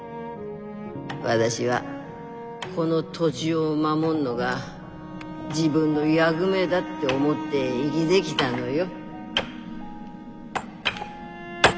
私はこの土地を守んのが自分の役目だって思って生ぎできたのよ。